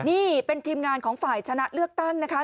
นี่เป็นทีมงานของฝ่ายชนะเลือกตั้งนะคะ